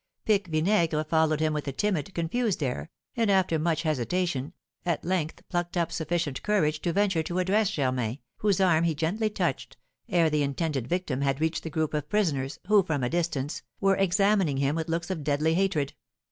Pique Vinaigre followed him with a timid, confused air, and, after much hesitation, at length plucked up sufficient courage to venture to address Germain, whose arm he gently touched, ere the intended victim had reached the group of prisoners, who, from a distance, were examining him with looks of deadly hatred.